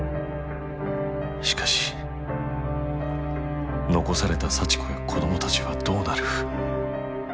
しかし残された幸子や子どもたちはどうなる？